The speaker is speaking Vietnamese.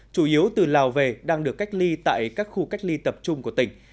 chủ yếu từ lào về đang được cách ly tại các khu cách ly tập trung của tỉnh